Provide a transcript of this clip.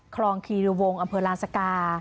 คลองคีย์รวงอำเภอลาสกา